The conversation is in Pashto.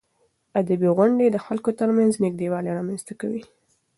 ادبي غونډې د خلکو ترمنځ نږدېوالی رامنځته کوي.